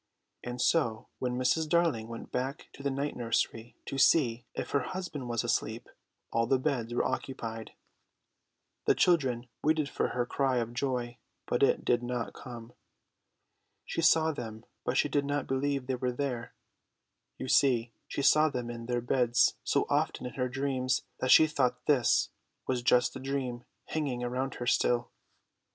And so when Mrs. Darling went back to the night nursery to see if her husband was asleep, all the beds were occupied. The children waited for her cry of joy, but it did not come. She saw them, but she did not believe they were there. You see, she saw them in their beds so often in her dreams that she thought this was just the dream hanging around her still.